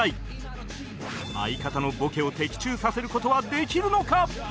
相方のボケを的中させる事はできるのか？